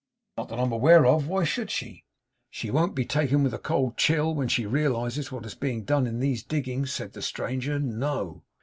'Not that I am aware of. Why should she?' 'She won't be taken with a cold chill, when she realises what is being done in these diggings,' said the stranger. 'No.